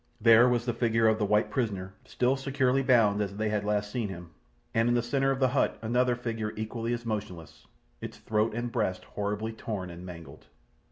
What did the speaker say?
There was the figure of the white prisoner still securely bound as they had last seen him, and in the centre of the hut another figure equally as motionless, its throat and breasts horribly torn and mangled.